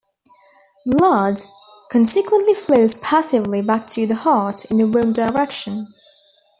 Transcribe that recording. Blood consequently flows passively back to the heart in the wrong direction.